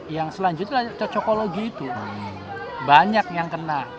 yang selanjutnya cocokologi itu banyak yang kena